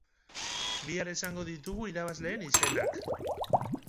Bihar esango ditugu irabazleen izenak!